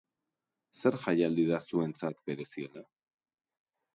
Zer jaialdi da zuentzat bereziena?